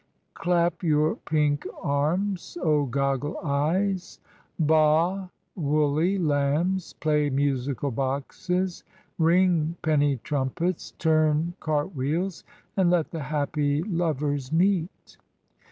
.,. Clap your pink arms, oh goggle eyes, ba woolly lambs, play musical boxes, ring penny trumpets, turn cart wheels, and let the happy lovers meet!